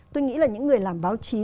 tôi nghĩ là những người làm báo chí